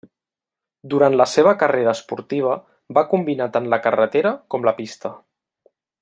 Durant la seva carrera esportiva va combinar tant la carretera com la pista.